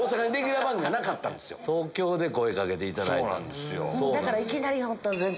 東京で声かけていただいたんですよ。